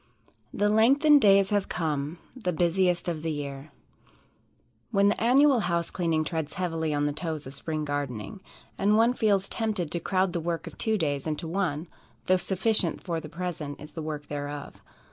The lengthened days have come, The busiest of the year When the annual house cleaning treads heavily on the toes of spring gardening, and one feels tempted to crowd the work of two days into one, though sufficient for the present is the work thereof.